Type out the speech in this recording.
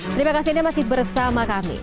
terima kasih anda masih bersama kami